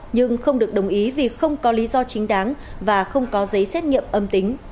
nhưng không được đồng ý vì không có lý do chính đáng và không có giấy xét nghiệm âm tính